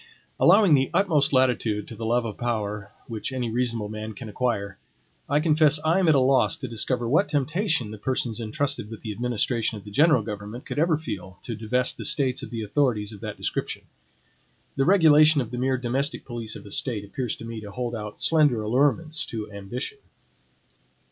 Allowing the utmost latitude to the love of power which any reasonable man can require, I confess I am at a loss to discover what temptation the persons intrusted with the administration of the general government could ever feel to divest the States of the authorities of that description. The regulation of the mere domestic police of a State appears to me to hold out slender allurements to ambition.